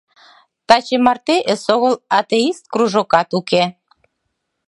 Таче марте эсогыл атеист кружокат уке.